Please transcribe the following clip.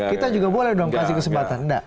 kita juga boleh dong kasih kesempatan enggak